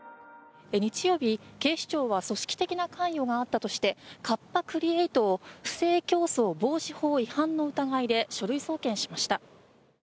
日曜日、警視庁は組織的な関与があったとしてカッパ・クリエイトを不正競争防止法違反の疑いで書類送検しました。